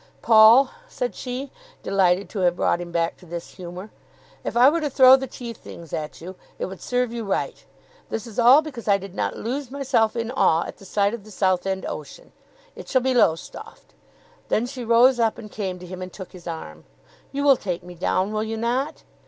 "Paul," said she, delighted to have brought him back to this humour, "if I were to throw the tea things at you, it would serve you right. This is all because I did not lose myself in awe at the sight of the Southend ocean. It shall be Lowestoft." Then she rose up and came to him, and took his arm. "You will take me down, will you not?